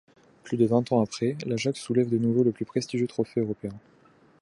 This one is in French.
Plus de vingt ans après, l'Ajax soulève de nouveau le plus prestigieux trophée européen.